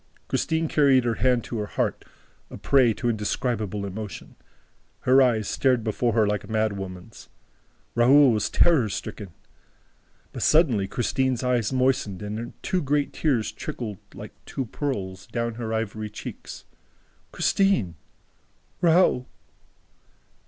'" Christine carried her hand to her heart, a prey to indescribable emotion. Her eyes stared before her like a madwoman's. Raoul was terror stricken. But suddenly Christine's eyes moistened and two great tears trickled, like two pearls, down her ivory cheeks. "Christine!" "Raoul!"